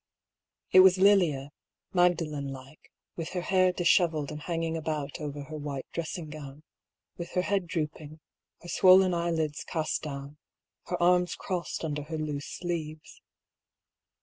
It was Lilia, Magdalen like, with her hair dishevelled and hanging about over her white dressing gown, with her head drooping, her swollen eyelids cast down, her arms crossed under her loose sleeves.